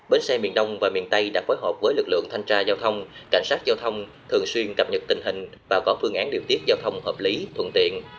bến xe miền đông và miền tây đã phối hợp với lực lượng thanh tra giao thông cảnh sát giao thông thường xuyên cập nhật tình hình và có phương án điều tiết giao thông hợp lý thuận tiện